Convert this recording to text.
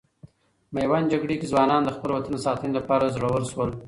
میوند جګړې کې ځوانان د خپل وطن د ساتنې لپاره زړور سول.